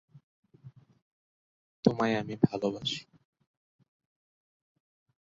ইঁদুর এদের প্রিয় খাদ্য; অন্যান্য খাদ্যের মধ্যে রয়েছে ব্যাঙ, টিকটিকি, সাপ, পাখি ইত্যাদি।